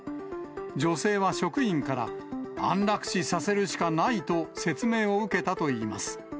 女性は職員から、安楽死させるしかないと説明を受けたといいます。